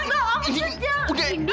udah indi indi indi indi